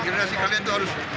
generasi kalian itu harus